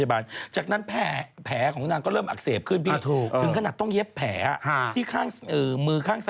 อันนี้เปลงวันทีมงานเรียกมั้ยฮะ